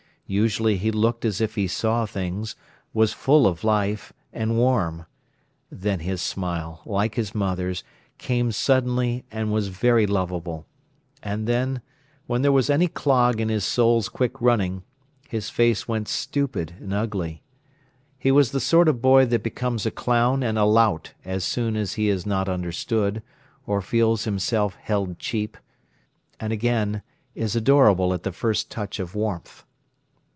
Usually he looked as if he saw things, was full of life, and warm; then his smile, like his mother's, came suddenly and was very lovable; and then, when there was any clog in his soul's quick running, his face went stupid and ugly. He was the sort of boy that becomes a clown and a lout as soon as he is not understood, or feels himself held cheap; and, again, is adorable at the first touch of warmth.